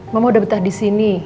mama udah betah di sini